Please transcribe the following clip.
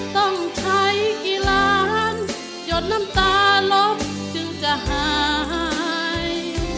ต้องใช้กี่ล้านหยดน้ำตาลบจึงจะหาย